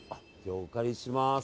お借りします。